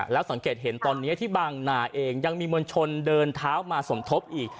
แล้วสังเกตเห็นตอนนี้ที่บางนาเองยังมีมวลชนเดินเท้ามาสมทบอีก